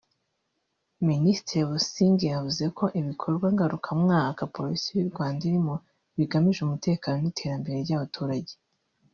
Minisitiri Busingye yavuze ko ibikorwa ngarukamwaka Polisi y’u Rwanda irimo bigamije umutekano n’iterambere ry’abaturage